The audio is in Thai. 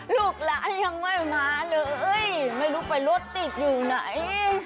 ลูกหลานยังไม่มาเลยไม่รู้ไปรถติดอยู่ไหน